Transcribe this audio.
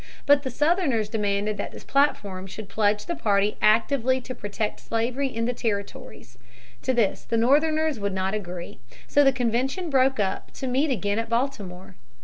But the Southerners demanded that the platform should pledge the party actively to protect slavery in the territories. To this the Northerners would not agree. So the convention broke up to meet again at Baltimore.